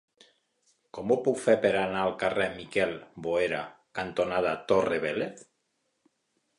Com ho puc fer per anar al carrer Miquel Boera cantonada Torre Vélez?